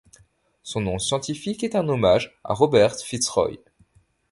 Son nom scientifique est un hommage à Robert FitzRoy.